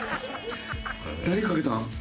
何かけたん？